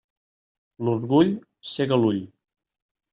L'orgull cega l'ull.